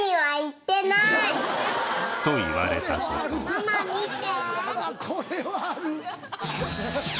ママ見て。